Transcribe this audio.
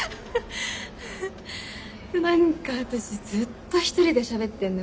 何か私ずっとひとりでしゃべってんね。